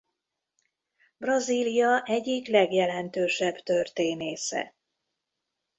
Brazília egyik legjelentősebb történésze.